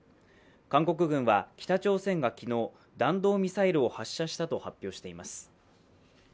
韓国軍は北朝鮮が昨日弾道ミサイルを発射したと発表しています。